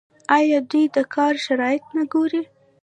آیا دوی د کار شرایط نه ګوري؟